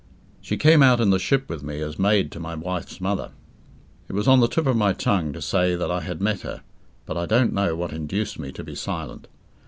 "She came out in the ship with me as maid to my wife's mother." It was on the tip of my tongue to say that I had met her, but I don't know what induced me to be silent.